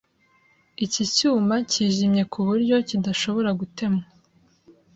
Iki cyuma kijimye kuburyo kidashobora gutemwa.